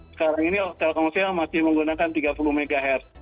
sekarang ini telkomsel masih menggunakan tiga puluh mhz